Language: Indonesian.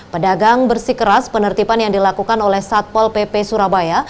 pedagang bersikeras penertiban yang dilakukan oleh satpol pp surabaya